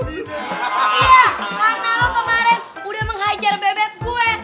iya karena lo kemarin udah menghajar bebek gue